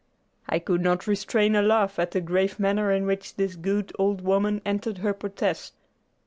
I could not restrain a laugh at the grave manner in which this good old woman entered her protest.